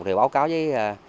thì báo cáo với